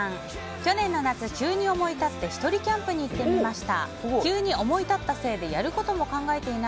去年の夏、急に思い立って１人キャンプに行ってみました。